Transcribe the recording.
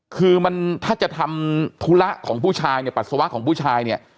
คือมันถ้าจะทำธุระของผู้ชายเนี่ยปัสสาวะของผู้ชายเนี่ย